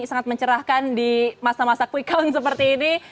sangat mencerahkan di masa masa quick count seperti ini